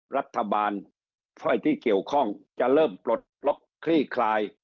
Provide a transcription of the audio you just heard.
รัฐบาลฝ่ายที่เกี่ยวข้องจะเริ่มปลดล็อกคลี่คลาย